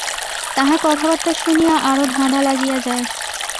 তাঁহার কথাবার্তা শুনিয়া আরো ধাঁধা লাগিয়া যায়।